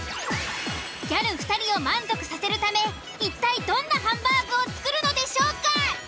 ギャル２人を満足させるため一体どんなハンバーグを作るのでしょうか！？